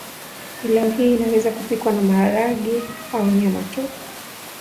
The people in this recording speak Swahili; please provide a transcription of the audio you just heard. Pilau hii inaweza kupikwa na maharage au nyama tu